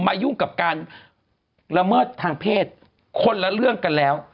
ยุ่งกับการละเมิดทางเพศคนละเรื่องกันแล้ว